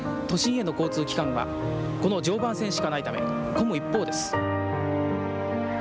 都心への交通機関はこの常磐線しかないため混む一方です。